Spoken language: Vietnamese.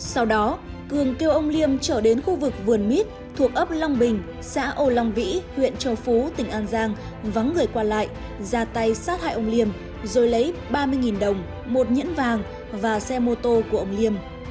sau đó cường kêu ông liêm trở đến khu vực vườn mít thuộc ấp long bình xã âu long vĩ huyện châu phú tỉnh an giang vắng người qua lại ra tay sát hại ông liêm rồi lấy ba mươi đồng một nhẫn vàng và xe mô tô của ông liêm